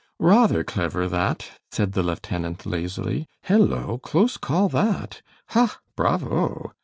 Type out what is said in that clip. "Rather clever, that," said the lieutenant, lazily. "Hello! close call, that; ha! bravo!"